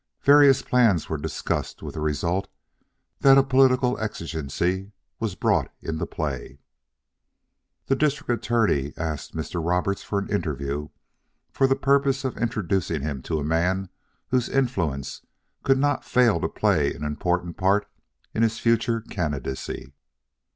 Various plans were discussed with the result that a political exigency was brought into play. The District Attorney asked Mr. Roberts for an interview for the purpose of introducing to him a man whose influence could not fail to play an important part in his future candidacy.